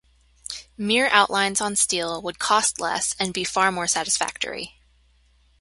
Mere outlines on steel would cost less, and be far more satisfactory.